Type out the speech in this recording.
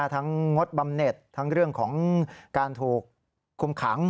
งดบำเน็ตทั้งเรื่องของการถูกคุมขัง